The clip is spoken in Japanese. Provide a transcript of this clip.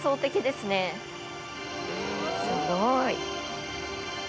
すごい。